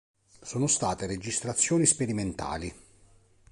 Sono state registrazioni sperimentali.